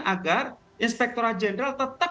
agar inspektora jenderal tetap